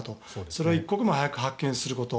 それを一刻も早く発見すること。